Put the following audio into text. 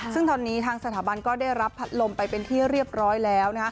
ซึ่งตอนนี้ทางสถาบันก็ได้รับพัดลมไปเป็นที่เรียบร้อยแล้ว